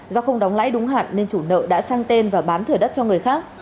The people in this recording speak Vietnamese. do không đóng lãi đúng hạn nên chủ nợ đã sang tên và bán thửa đất cho người khác